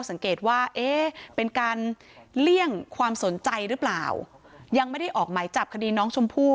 ฟังท่านเพิ่มค่ะบอกว่าถ้าผู้ต้องหาหรือว่าคนก่อเหตุฟังอยู่